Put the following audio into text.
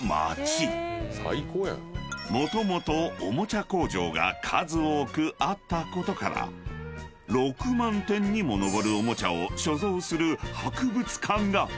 ［もともとおもちゃ工場が数多くあったことから６万点にも上るおもちゃを所蔵する博物館が！］